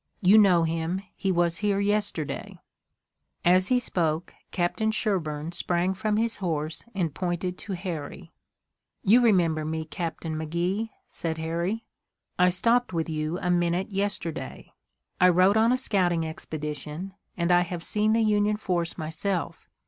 You know him; he was here yesterday." As he spoke, Captain Sherburne sprang from his horse and pointed to Harry. "You remember me, Captain McGee," said Harry. "I stopped with you a minute yesterday. I rode on a scouting expedition, and I have seen the Union force myself.